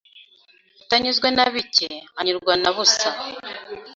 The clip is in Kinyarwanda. Utanyuzwe na bike, anyurwa nubusa.